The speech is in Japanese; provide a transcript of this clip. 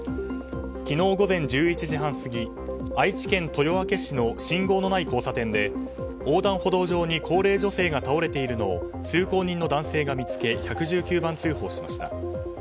昨日午前１１時半過ぎ愛知県豊明市の信号のない交差点で横断歩道上に高齢女性が倒れているのを通行人の男性が見つけ１１９番通報しました。